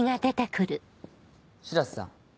白瀬さん